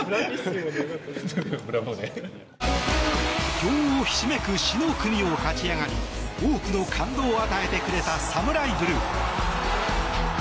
強豪ひしめく死の組を勝ち上がり多くの感動を与えてくれたＳＡＭＵＲＡＩＢＬＵＥ。